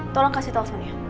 tolong kasih telponnya